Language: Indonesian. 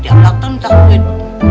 tiap dateng minta duit